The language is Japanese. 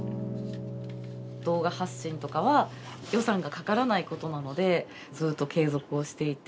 動画発信とかは予算がかからないことなのでずっと継続をしていて。